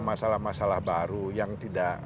masalah masalah baru yang tidak